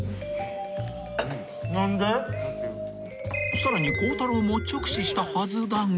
［さらに孝太郎も直視したはずだが］